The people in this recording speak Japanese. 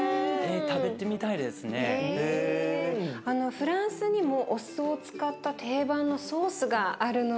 フランスにもお酢を使った定番のソースがあるの。